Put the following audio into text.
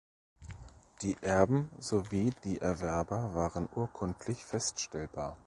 Die Erben sowie die Erwerber waren urkundlich feststellbar.